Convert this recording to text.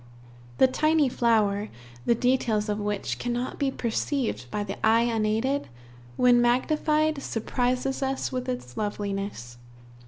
The tiny flower, the details of which cannot be perceived by the eye unaided, when magnified, surprises us with its loveliness.